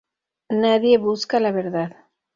Nadie busca la verdad.